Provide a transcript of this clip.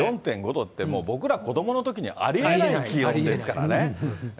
３４．５度って、僕ら、子どものときにありえない気温ですからね。